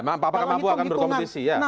apakah mampu akan berkompetisi